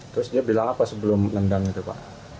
terus dia bilang apa sebelum nendang itu pak